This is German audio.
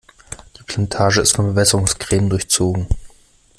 Die Plantage ist von Bewässerungsgräben durchzogen.